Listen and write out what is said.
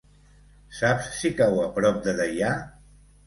Saps si cau a prop de Deià?